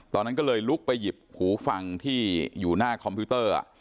ตอนนั้นก็เลยลุกไปหยิบหูฟังที่อยู่หน้าคอมพิวเตอร์